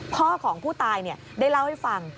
พ่อของผู้ตายได้เล่าให้ฟัง